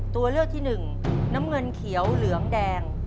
ตัวเลือกที่หนึ่งน้ำเงินเขียวเหลืองแดง